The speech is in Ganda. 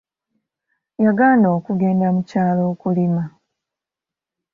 Yagaana okugenda mukyalo okulima.